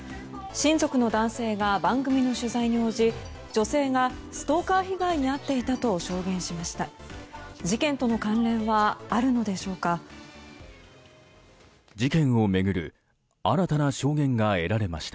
親族の男性が番組の取材に応じ女性がストーカー被害に遭っていたと証言しました。